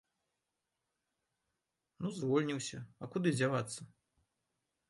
Ну звольніўся, а куды дзявацца.